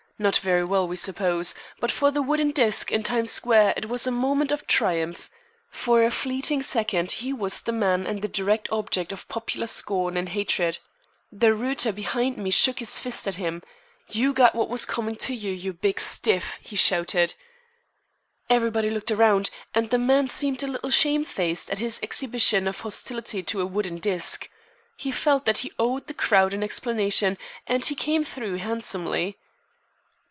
Not very well, we suppose. But for the wooden disk in Times Square it was a moment of triumph. For a fleeting second he was a man and the direct object of popular scorn and hatred. The rooter behind me shook his fist at him. "You got what was coming to you, you big stiff!" he shouted. Everybody looked around, and the man seemed a little shamefaced at his exhibition of hostility to a wooden disk. He felt that he owed the crowd an explanation and he came through handsomely.